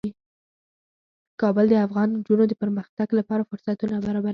کابل د افغان نجونو د پرمختګ لپاره فرصتونه برابروي.